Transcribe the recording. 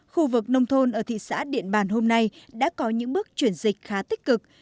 khu vực nông thôn ở thị xã điện bàn hôm nay đã có những bước chuyển dịch khá tích cực